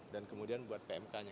dan kemudian buat pmk nya